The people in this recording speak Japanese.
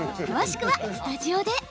詳しくはスタジオで。